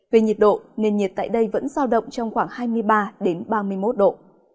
về nhiệt độ nền nhiệt tại đây vẫn giao động trong khoảng hai mươi ba ba mươi một độ